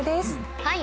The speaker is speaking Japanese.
はい。